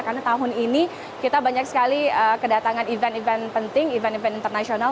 karena tahun ini kita banyak sekali kedatangan event event penting event event internasional